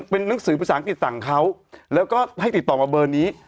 เป็นหนังสือภาษาอังกฤษสั่งเขาแล้วก็ให้ติดต่อมาเบอร์นี้